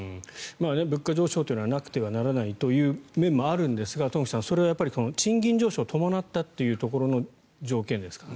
物価上昇というのはなくてはならないという面もあるんですが、東輝さんそれは賃金上昇を伴ったという条件ですからね。